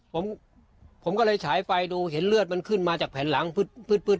ผมผมก็เลยฉายไฟดูเห็นเลือดมันขึ้นมาจากแผ่นหลังพืด